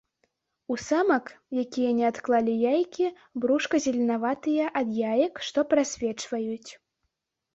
У самак, якія не адклалі яйкі, брушка зеленаватае ад яек, што прасвечваюць.